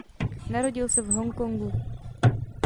Narodil se v Hong Kongu.